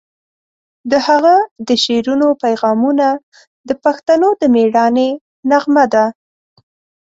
د هغه د شعرونو پیغامونه د پښتنو د میړانې نغمه ده.